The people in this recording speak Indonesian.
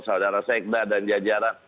saudara sekda dan jajara